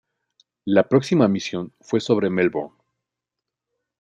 La próxima misión fue sobre Melbourne.